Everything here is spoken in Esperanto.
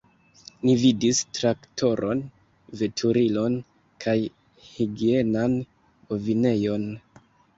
Ni vidis traktoron, veturilon kaj higienan bovinejon.